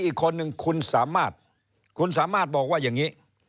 อีกคนนึงคุณสามารถคุณสามารถบอกว่าอย่างนี้